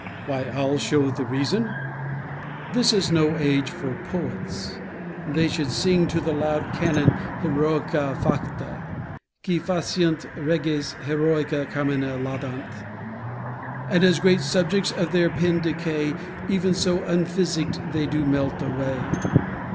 MORE. Why, I'll show the reason: This is no age for poets; they should sing To the loud canon heroica facta; Qui faciunt reges heroica carmina laudant: And, as great subjects of their pen decay, Even so unphysicked they do melt away.